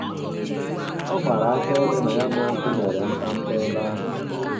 Ọ gbara akaebe na ya bụ ọkụ mère mkpamkpa ebe ahụ